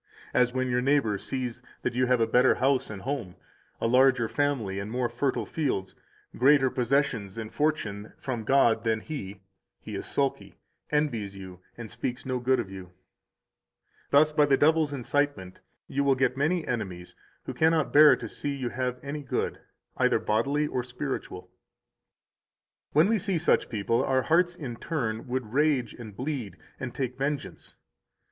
184 As when your neighbor sees that you have a better house and home [a larger family and more fertile fields], greater possessions and fortune from God than he, he is sulky, envies you, and speaks no good of you. Thus by the devil's incitement you will get many enemies who cannot bear to see you have any good, either bodily or spiritual. When we see such people, our hearts, in turn, would rage and bleed and take vengeance.